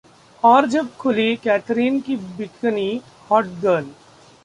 ... और जब खुली कैथरीन की बिकनी | 'हॉट गर्ल'